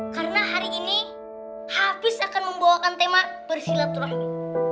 karena hari ini hafiz akan membawakan tema bersilaturahmi